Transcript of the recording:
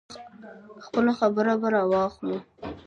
خپله خبره به راواخلو.